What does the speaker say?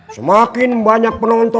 semakin banyak penonton